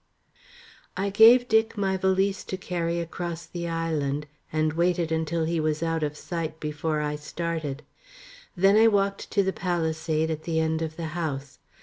I gave Dick my valise to carry across the island, and waited until he was out of sight before I started. Then I walked to the palisade at the end of the house.